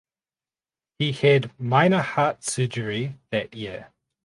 He had minor heart surgery that year.